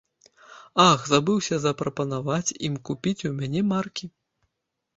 Ах, забыўся запрапанаваць ім купіць у мяне маркі!